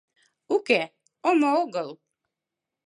Уке, омо огыл.